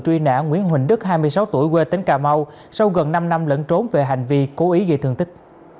truy nã nguyễn huỳnh đức hai mươi sáu tuổi quê tỉnh cà mau sau gần năm năm lẫn trốn về hành vi cố ý gây thương tích